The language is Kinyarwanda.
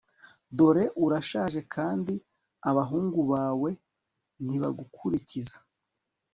dore urashaje kandi abahungu bawe ntibagukurikiza